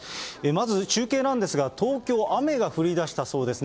まず中継なんですが、東京、雨が降りだしたそうです。